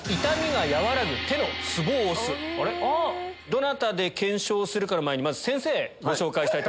どなたで検証するかの前にまず先生ご紹介します。